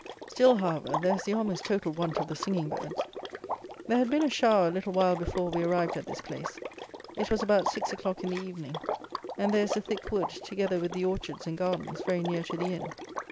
Still, however, there is the almost total want of the singing birds. There had been a shower a little while before we arrived at this place; it was about six o'clock in the evening; and there is a thick wood, together with the orchards and gardens, very near to the inn.